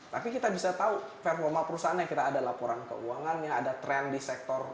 tapi kita bisa tahu performa perusahaan yang kita ada laporan keuangannya ada tren di sektor